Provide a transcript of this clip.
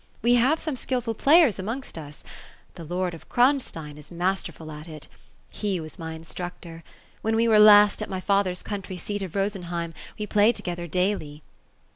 We have some skilful players amongst us. The lord of Kronstein is mas terful at it He was my instructor. When we were last at my fath er's country seat of Rosenheim, we played together daily."